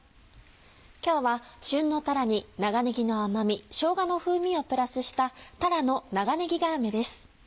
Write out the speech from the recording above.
今日は旬のたらに長ねぎの甘みしょうがの風味をプラスした「たらの長ねぎがらめ」です。